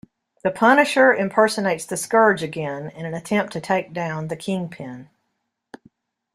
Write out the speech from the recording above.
The Punisher impersonates the Scourge again in an attempt to take down the Kingpin.